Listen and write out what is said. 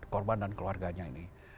korban dan keluarganya ini